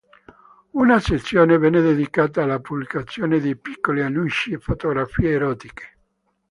Una sezione venne dedicata alla pubblicazione di piccoli annunci e fotografie erotiche.